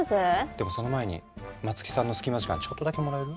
でもその前に松木さんの隙間時間ちょっとだけもらえる？